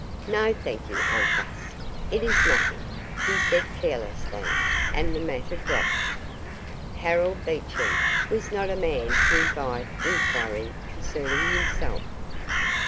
"No, thank you, aunt Gus. It is nothing," he said carelessly, and the matter dropped. Harold Beecham was not a man to invite inquiry concerning himself.